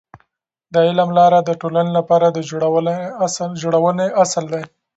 د علم لاره د ټولنې لپاره د جوړونې اصل دی.